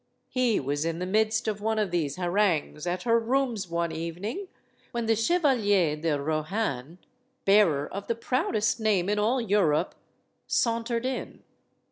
He was in the midst of one of these harangues, at her rooms one evening, when the Chevalier de Rohan bearer of the proudest name in all Europe sauntered in.